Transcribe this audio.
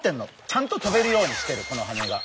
ちゃんと飛べるようにしてるこのはねが。